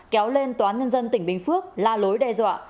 kéo lên tòa án nhân dân tỉnh bình phước la lối đe dọa